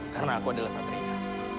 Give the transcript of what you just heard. karena aku adalah satrinya